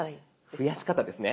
増やし方ですね。